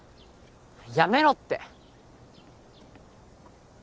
やめろって！